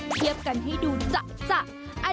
เทียบกันให้ดูจั๊ะจั๊ะ